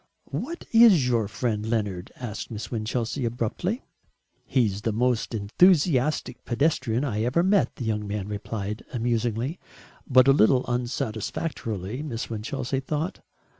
"What is your friend Leonard?" asked Miss Winchelsea abruptly. "He's the most enthusiastic pedestrian I ever met," the young man replied, amusingly, but a little unsatisfactorily, Miss Winchelsea thought.